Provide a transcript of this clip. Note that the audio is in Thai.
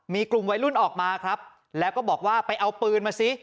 มีกลุ่มวัยรุ่นออกมาครับแล้วก็บอกว่าไปเอาปืนมาซิ